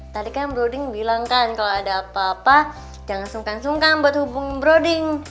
tadi kan broading bilang kan kalau ada apa apa jangan sungkan sungkan buat hubung browding